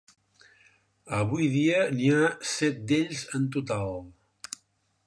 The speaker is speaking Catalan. Avui dia n'hi ha set d'ells en total.